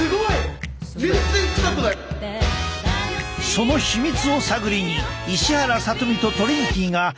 その秘密を探りに石原さとみとトリンキーがキャ！